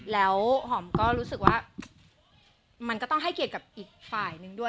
แล้วหอมก็รู้สึกว่ามันก็ต้องให้เกียรติกับอีกฝ่ายนึงด้วย